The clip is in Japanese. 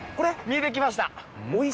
見えてきました。